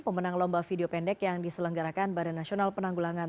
mempunyai liputannya untuk anda